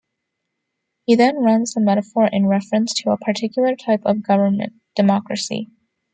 He then runs the metaphor in reference to a particular type of government: democracy.